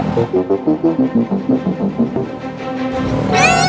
kalo itu kenapa sih